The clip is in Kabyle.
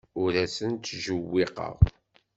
Ur asent-ttjewwiqeɣ.